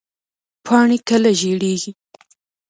پاڼې کله ژیړیږي؟